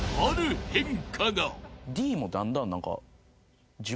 Ｄもだんだん何か。